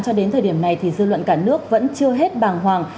cho đến thời điểm này thì dư luận cả nước vẫn chưa hết bàng hoàng